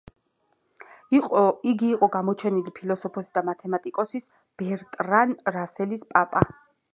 იგი იყო გამოჩენილი ფილოსოფოსის და მათემატიკოსის ბერტრან რასელის პაპა.